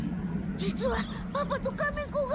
実はパパとカメ子が。